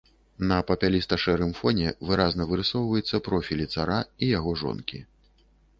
На папяліста-шэрым фоне выразна вырысоўваецца профілі цара і яго жонкі.